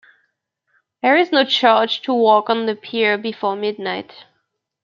There is no charge to walk on the pier before midnight.